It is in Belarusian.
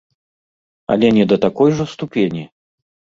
Але не да такой жа ступені!